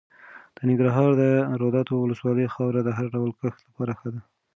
د ننګرهار د روداتو ولسوالۍ خاوره د هر ډول کښت لپاره ښه ده.